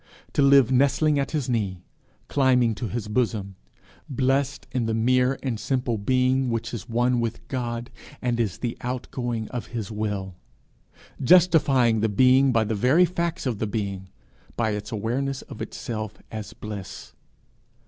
to live nestling at his knee, climbing to his bosom, blessed in the mere and simple being which is one with God, and is the outgoing of his will, justifying the being by the very facts of the being, by its awareness of itself as bliss!